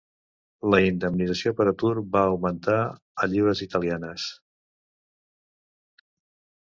La indemnització per atur va augmentar a lliures italianes.